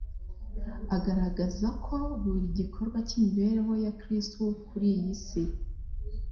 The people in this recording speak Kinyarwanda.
agaragaza ko buri gikorwa cy’imibereho ya Kristo kuri iyi si